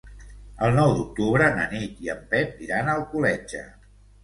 El nou d'octubre na Nit i en Pep iran a Alcoletge.